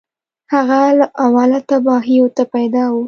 هغه له اوله تباهیو ته پیدا و